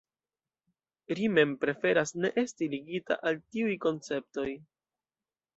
Ri mem preferas ne esti ligita al tiuj konceptoj.